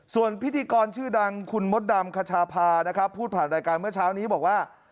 ส่วนพิธีกรชื่อดังคุณมดดำคชาพานะครับพูดผ่านรายการเมื่อเช้านี้บอกว่า